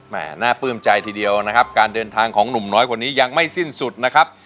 น่าปลื้มใจทีเดียวนะครับการเดินทางของหนุ่มน้อยคนนี้ยังไม่สิ้นสุดนะครับ